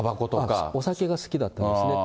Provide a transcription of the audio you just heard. お酒が好きだったんですね。